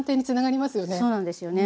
そうなんですよね。